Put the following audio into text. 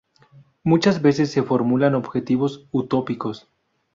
Muchas veces se formulan objetivos utópicos.